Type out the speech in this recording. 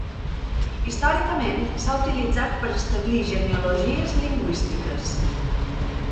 Històricament s'ha utilitzat per establir genealogies lingüístiques.